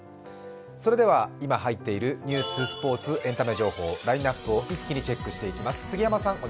それでは、今入っているニュース、スポーツ、エンタメ情報ラインナップを一気にチェックしていきます。